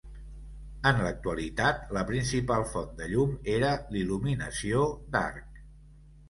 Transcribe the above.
En l'actualitat, la principal font de llum era l'il·luminació d'arc.